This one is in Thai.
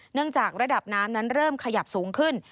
เนื่องจากระดับน้ำนั้นเริ่มขยับสูงขึ้น